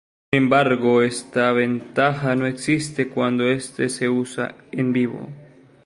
Sin embargo, esta ventaja no existe cuando este se usa en vivo.